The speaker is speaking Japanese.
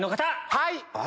はい！